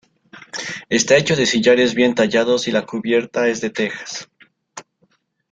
Está hecho de sillares bien tallados y la cubierta es de tejas.